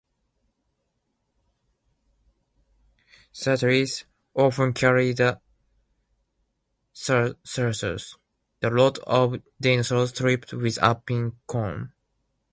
Satyrs often carry the thyrsus: the rod of Dionysus tipped with a pine cone.